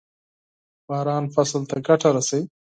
باران فصل ته ګټه رسوي.